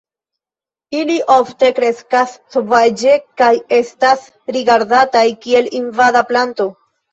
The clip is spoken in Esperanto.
Ili ofte kreskas sovaĝe kaj estas rigardataj kiel invada planto.